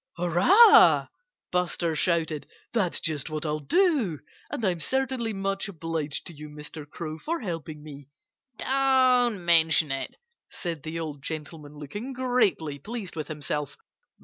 "Hurrah!" Buster shouted. "That's just what I'll do! And I'm certainly much obliged to you, Mr. Crow, for helping me." "Don't mention it," said the old gentleman, looking greatly pleased with himself.